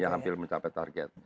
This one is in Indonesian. ya hampir mencapai target